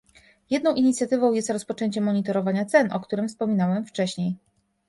Jedną inicjatywą jest rozpoczęcie monitorowania cen, o którym wspominałem wcześniej